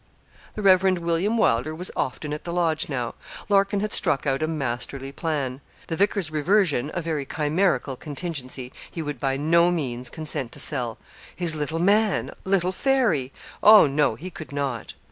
The Reverend William Wylder was often at the Lodge now. Larkin had struck out a masterly plan. The vicar's reversion, a very chimerical contingency, he would by no means consent to sell. His little man little Fairy oh! no, he could not.